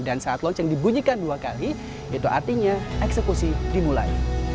dan saat lonceng dibunyikan dua kali itu artinya eksekusi dimulai